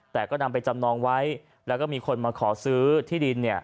แต่ก็นำไปจำนองไว้แล้วก็มีคนมาขอซื้อที่ดิน